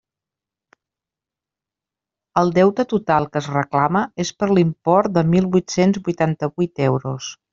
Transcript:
El deute total que es reclama és per l'import de mil huit-cents huitanta-huit euros.